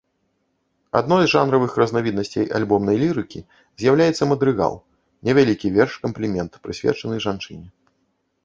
Адной з жанравых разнавіднасцей альбомнай лірыкі з'яўляецца мадрыгал, невялікі верш-камплімент, прысвечаны жанчыне.